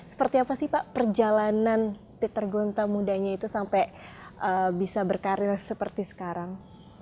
seperti apa sih pak perjalanan peter gonta mudanya itu sampai bisa berkarir seperti sekarang